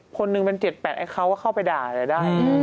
คนหนึ่งเป็น๗๘ไอ้เขาก็เข้าไปด่าอะไรได้